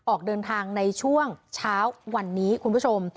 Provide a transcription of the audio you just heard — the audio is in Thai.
ออกเดินทางในช่วงเช้าวันนี้คุณผู้ชม